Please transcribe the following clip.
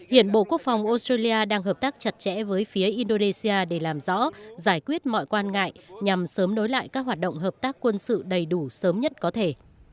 hiện bộ quốc phòng australia đang hợp tác chặt chẽ với phía indonesia để làm rõ giải quyết mọi quan ngại nhằm sớm nối lại các hoạt động hợp tác quân sự đầy đủ sớm nhất có thể